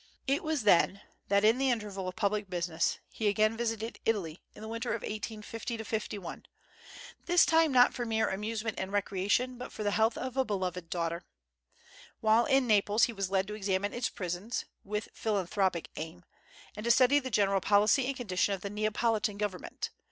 It was then that in the interval of public business he again visited Italy, in the winter of 1850 51; this time not for mere amusement and recreation, but for the health of a beloved daughter. While in Naples he was led to examine its prisons (with philanthropic aim), and to study the general policy and condition of the Neapolitan government.